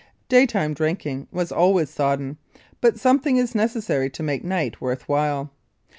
Daytime drinking was always sodden, but something is necessary to make night worth while.